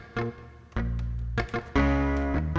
gak malahan sih